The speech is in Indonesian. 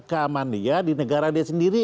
keamanan dia di negara dia sendiri